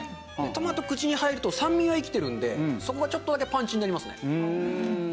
トマト口に入ると酸味が生きてるんでそこがちょっとだけパンチになりますね。